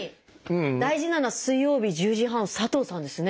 大事なのは「水曜日」「１０時半」「佐藤さん」ですね。